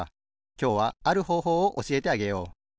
きょうはあるほうほうをおしえてあげよう。